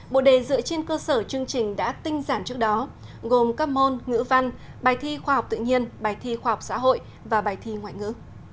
bộ đề dựa trên cơ sở chương trình đã tinh giản trước đó gồm các môn ngữ văn bài thi khoa học tự nhiên bài thi khoa học xã hội và bài thi ngoại ngữ